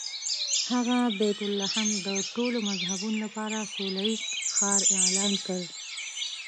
هغه بیت لحم د ټولو مذهبونو لپاره سوله ییز ښار اعلان کړ.